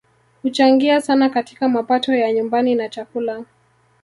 Huchangia sana katika mapato ya nyumbani na chakula